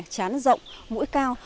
chán rộng mũi cao